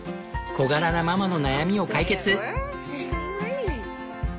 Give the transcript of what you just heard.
小柄なママの悩みを解決。